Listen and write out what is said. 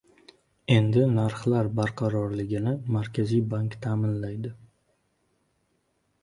Endi narxlar barqarorligini Markaziy Bank ta’minlaydi